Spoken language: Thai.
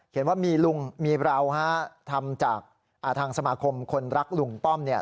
เขียนว่ามีลุงมีเราฮะทำจากทางสมาคมคนรักลุงป้อมเนี่ย